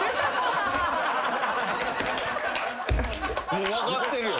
もう分かってるよ。